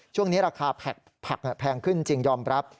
ช่วงนี้ราคาผักแพงขึ้นจริงยอมรับ